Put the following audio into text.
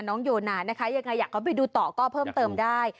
โยนานะคะยังไงอยากเข้าไปดูต่อก็เพิ่มเติมได้